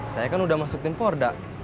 saya kan udah masuk tim porda